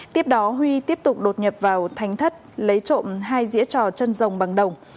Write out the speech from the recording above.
tiếp đó huy tiếp tục đột nhập vào thánh thất lấy trộm hai dĩa trò chân rồng bằng đồng